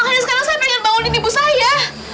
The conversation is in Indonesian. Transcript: makanya sekarang saya pengen bangunin ibu saya